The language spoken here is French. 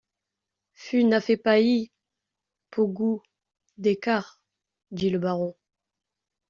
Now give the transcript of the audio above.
Fus n’affez pas î paugoup d’eccarts, dit le baron.